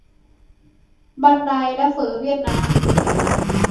บันได และ เฝอเวียดนาม